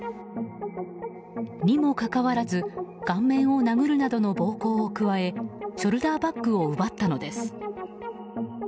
にもかかわらず顔面を殴るなどの暴行を加えショルダーバッグを奪ったのです。